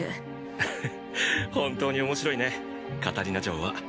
ははっ本当に面白いねカタリナ嬢は。